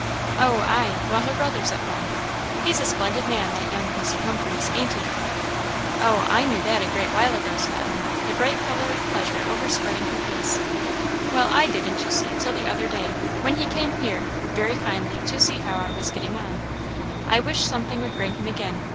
"Oh, ay! while her brother's at home. He's a splendid man, that young Mr. Humphreys, ain't he?" "Oh, I knew that a great while ago," said Ellen, the bright colour of pleasure overspreading her face. "Well, I didn't, you see, till the other day, when he came here, very kindly, to see how I was getting on. I wish something would bring him again.